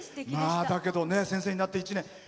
だけど先生になって１年。